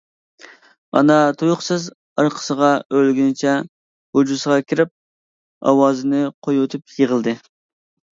ئانا تۇيۇقسىز ئارقىسىغا ئۆرۈلگىنىچە ھۇجرىسىغا كىرىپ ئاۋازىنى قويۇۋېتىپ يىغلىدى.